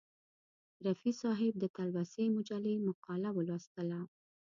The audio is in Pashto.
رفیع صاحب د تلوسې مجلې مقاله ولوستله.